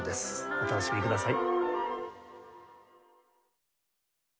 お楽しみください。